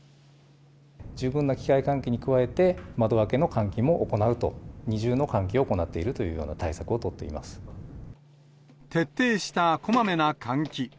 十分な機械換気に加えて、窓開けの換気も行うと、二重の換気を行っているという対策を取っ徹底したこまめな換気。